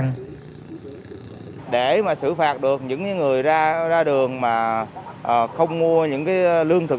người dân mà xử phạt được những người ra đường mà không mua những lương thực